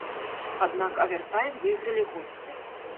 Аднак авертайм выйгралі госці.